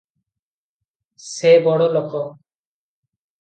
ସେ ବଡ଼ ଲୋକ ।